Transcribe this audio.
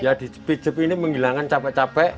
ya dipijat ini menghilangkan capek capek